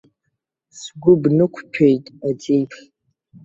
Сгәы бнықәҭәеит аӡеиԥш.